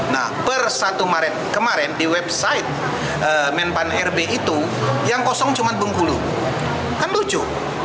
nah per satu maret kemarin di website menpan rb itu yang kosong cuma bengkulu kan lucu